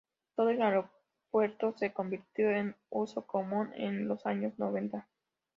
Todo el aeropuerto se convirtió en uso común en los años noventa.